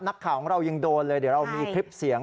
นักข่าวของเรายังโดนเลยเดี๋ยวเรามีคลิปเสียง